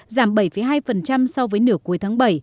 giảm bảy hai so với nửa cuối tháng bảy